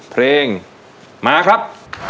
เพลงมาครับ